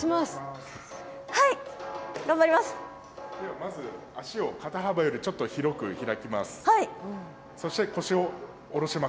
まず、足を肩幅よりちょっと広く開きます。